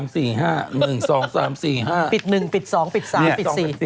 ปิด๑ปิด๒ปิด๓ปิด๔๔